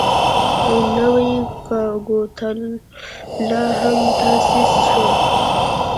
نوی کګوتلا هم تاسیس شو.